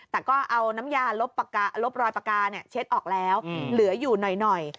แต่ก็เอาน้ำยาลบรอยปากกาเช็ดออกแล้วเหลืออยู่หน่อย